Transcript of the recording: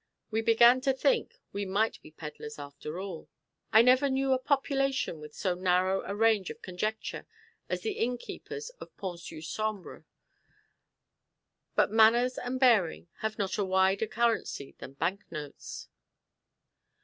We began to think we might be pedlars after all. I never knew a population with so narrow a range of conjecture as the innkeepers of Pont sur Sambre. But manners and bearing have not a wider currency than bank notes.